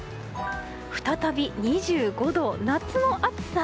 再び２５度、夏の暑さ。